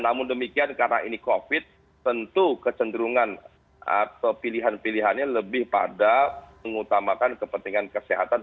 namun demikian karena ini covid tentu kecenderungan atau pilihan pilihannya lebih pada mengutamakan kepentingan kesehatan